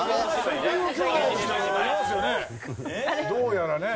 どうやらね。